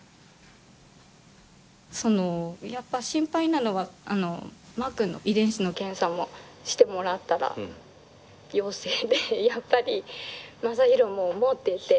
そのやっぱ心配なのはマー君の遺伝子の検査もしてもらったら陽性でやっぱりマサヒロも持ってて。